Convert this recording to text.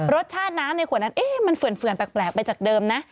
รสชาติน้ำในขวดนั้นมันเฝื่อนแปลกไปจากเดิมนะ